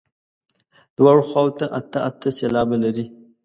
دواړو خواوو ته اته اته سېلابه لري.